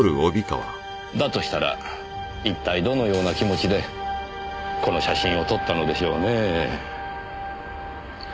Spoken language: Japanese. だとしたら一体どのような気持ちでこの写真を撮ったのでしょうねえ。